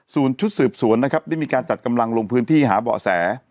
ชุดสืบสวนนะครับได้มีการจัดกำลังลงพื้นที่หาเบาะแส